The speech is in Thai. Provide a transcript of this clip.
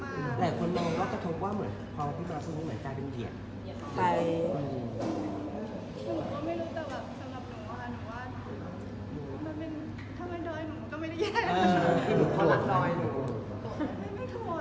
ไม่ควรค่ะหนูเคยเจอพี่มาครั้งเดียวตอนสามแปบค่ะ